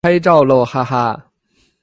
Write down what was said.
拍照喽哈哈